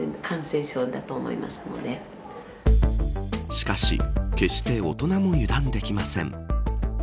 しかし、決して大人も油断できません。